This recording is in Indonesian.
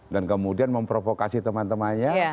dan kemudian memprovokasi teman temannya